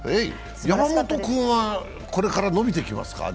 山本君はこれから伸びてきますか？